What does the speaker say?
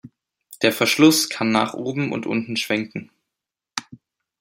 Der Verschluss kann nach oben und unten schwenken.